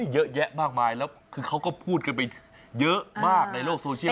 เยอะแยะมากมายแล้วคือเขาก็พูดกันไปเยอะมากในโลกโซเชียล